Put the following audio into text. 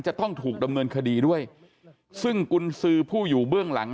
จะต้องถูกดำเนินคดีด้วยซึ่งกุญสือผู้อยู่เบื้องหลัง